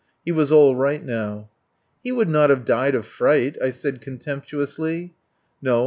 He was all right now. "He would not have died of fright," I said contemptuously. "No.